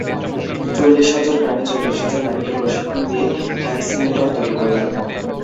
চল্লিশ হাজার গ্রামে চল্লিশ হাজার নারীকে প্রশিক্ষণ দিয়ে ভ্যাকসিনেটর তৈরি করলাম।